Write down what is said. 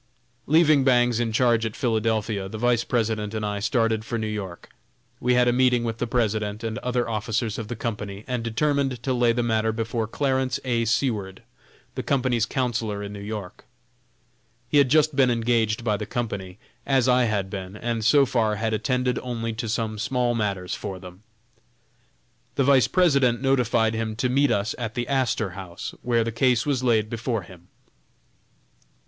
Leaving Bangs in charge at Philadelphia, the Vice President and I started for New York. We had a meeting with the President and other officers of the Company, and determined to lay the matter before Clarence A. Seward, the Company's counsellor in New York. He had just been engaged by the Company, as I had been, and so far had attended only to some small matters for them. The Vice President notified him to meet us at the Astor House, where the case was laid before him.